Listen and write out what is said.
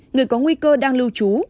người có nguy cơ đang lưu trú